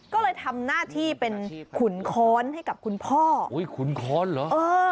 ก็เลยทำหน้าที่เป็นขุนค้อนให้กับคุณพ่อโอ้ยขุนค้อนเหรอเออ